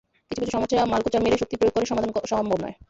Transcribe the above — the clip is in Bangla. কিছু কিছু সমস্যা মালকোঁচা মেরে শক্তি প্রয়োগ করে সমাধান সম্ভব নয়।